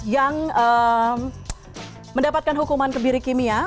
yang mendapatkan hukuman kebiri kimia